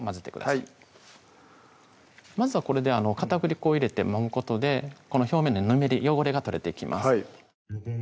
はいまずはこれで片栗粉を入れてもむことでこの表面のぬめり・汚れが取れていきます